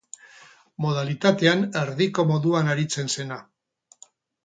Modalitatean erdiko moduan aritzen zena.